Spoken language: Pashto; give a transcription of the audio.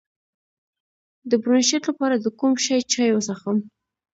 د برونشیت لپاره د کوم شي چای وڅښم؟